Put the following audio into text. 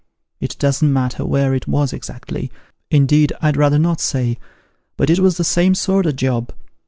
It doesn't matter where it was exactly : indeed, I'd rather not say, but it was the same sort o' job.